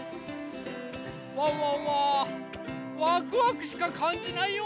ワンワンはワクワクしかかんじないよ！